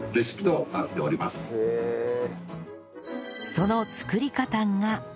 その作り方が